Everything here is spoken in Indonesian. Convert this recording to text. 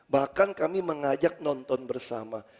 bahkan kami mengajak nonton bersama